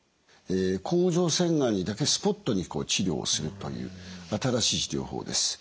甲状腺がんにだけスポットに治療をするという新しい治療法です。